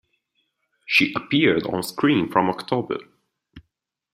She appeared on-screen from October.